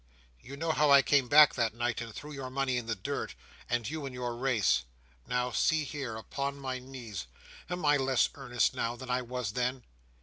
"You know how I came back that night, and threw your money in the dirt, and you and your race. Now, see me here, upon my knees. Am I less earnest now, than I was then?"